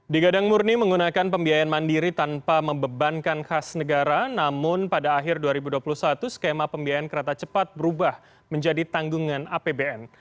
digadang murni menggunakan pembiayaan mandiri tanpa membebankan khas negara namun pada akhir dua ribu dua puluh satu skema pembiayaan kereta cepat berubah menjadi tanggungan apbn